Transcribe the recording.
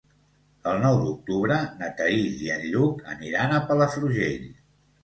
El nou d'octubre na Thaís i en Lluc aniran a Palafrugell.